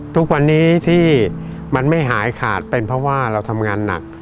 ทุกวันนี้ที่มันไม่หายขาดเป็นเพราะว่าเราทำงานหนัก